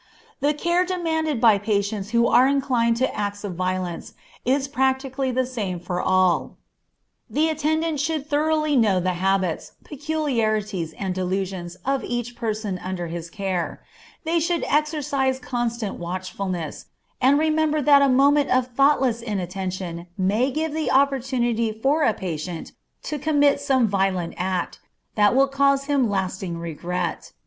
The care demanded by patients who are inclined to acts of violence is practically the same for all. The attendant should thoroughly know the habits, peculiarities, and delusions of each person under his care; he should exercise constant watchfulness, and remember that a moment of thoughtless inattention may give the opportunity for a patient to commit some violent act, that will cause him lasting regret.